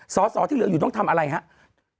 สอสอที่เหลืออยู่ต้องทำอะไรครับ